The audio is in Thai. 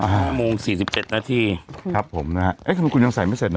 ห้าโมงสี่สิบเจ็ดนาทีครับผมนะฮะเอ๊ะทำไมคุณยังใส่ไม่เสร็จนะ